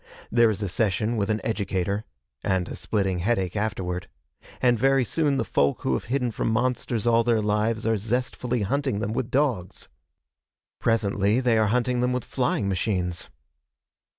There is a session with an educator and a splitting headache afterward and very soon the folk who have hidden from monsters all their lives are zestfully hunting them with dogs. Presently they are hunting them with flying machines.